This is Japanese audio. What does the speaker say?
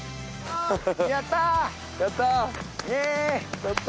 やった！